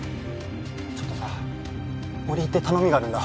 ちょっとさ折り入って頼みがあるんだ。